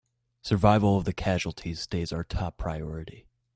Survival of the casualties stays our top priority!